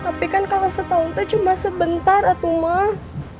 tapi kan kalo setahun tuh cuma sebentar ya itu mah